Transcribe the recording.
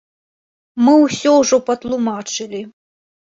Мы ўсё ўжо патлумачылі.